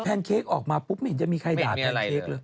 แปนเค้กออกมาปุ๊บเห็นจะมีใครด่าแปนเค้กเหรอ